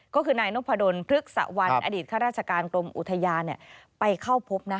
ก็คือนายนพดลพฤกษวรรณอดีตข้าราชการกรมอุทยานไปเข้าพบนะ